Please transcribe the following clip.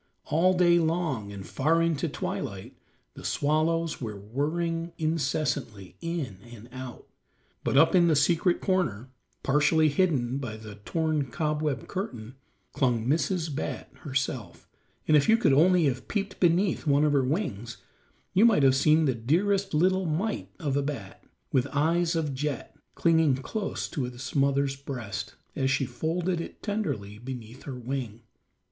All day long, and far into twilight, the swallows were whirring incessantly, in and out. But up in the secret corner, partially hidden by the torn cobweb curtain, clung Mrs. Bat herself, and if you could only have peeped beneath one of her wings you might have seen the dearest little mite of a bat, with eyes of jet, clinging close to its mother's breast as she folded it tenderly beneath her wing.